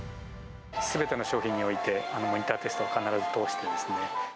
すべての商品において、モニターテストを必ず通してますね。